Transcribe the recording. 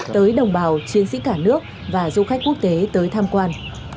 tới đồng bào chiến sĩ cả nước và du khách quốc tế tới tham quan